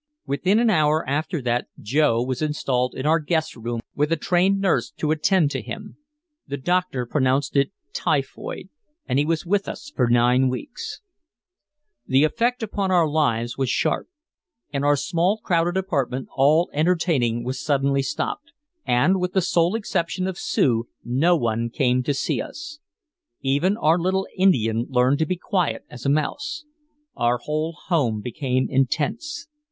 Within an hour after that Joe was installed in our guest room with a trained nurse to attend to him. The doctor pronounced it typhoid and he was with us for nine weeks. The effect upon our lives was sharp. In our small crowded apartment all entertaining was suddenly stopped, and with the sole exception of Sue no one came to see us. Even our little Indian learned to be quiet as a mouse. Our whole home became intense.